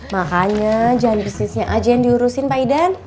makanya jangan bisnisnya aja yang diurusin pak idan